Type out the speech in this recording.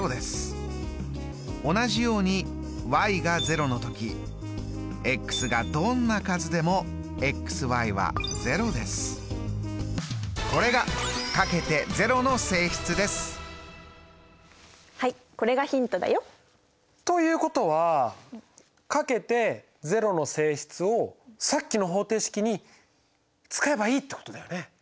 同じようにが０のときこれがはいこれがヒントだよ。ということはかけて０の性質をさっきの方程式に使えばいいってことだよね。